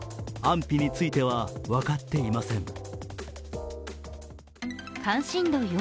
安否については分かっていません。